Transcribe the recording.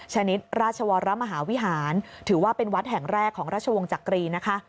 ชนิดราชวรมหาวิหารถือว่าเป็นวัดแห่งแรกของราชวงศ์จักรีนะคะ